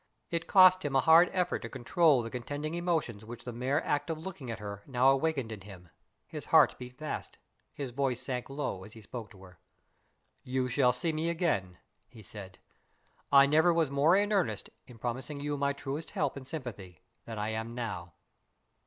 It cost him a hard effort to control the contending emotions which the mere act of looking at her now awakened in him. His heart beat fast, his voice sank low, as he spoke to her. "You shall see me again," he said. "I never was more in earnest in promising you my truest help and sympathy than I am now."